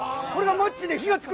マッチで火がつく。